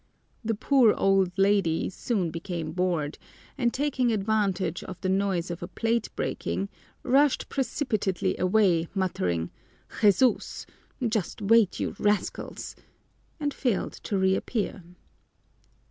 The poor old lady soon became bored, and taking advantage of the noise of a plate breaking, rushed precipitately away, muttering, "Jesús! Just wait, you rascals!" and failed to reappear.